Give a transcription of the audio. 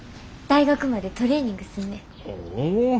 大学までトレーニングすんねん。